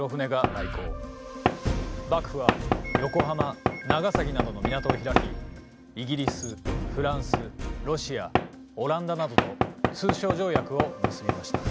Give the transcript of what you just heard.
幕府は横浜長崎などの港を開きイギリスフランスロシアオランダなどと通商条約を結びました。